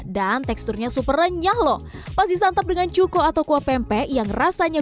dan teksturnya super renyah loh pasti santap dengan cuko atau kuah pempek yang rasanya